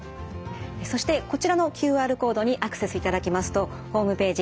そしてこちらのＱＲコードにアクセスいただきますとホームページ